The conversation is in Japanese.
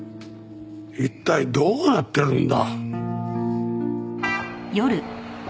一体どうなってるんだ。